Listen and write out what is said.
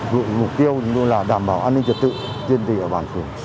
vụ mục tiêu là đảm bảo an ninh trật tự tiên tỷ ở bàn phường